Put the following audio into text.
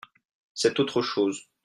Cette autre chose.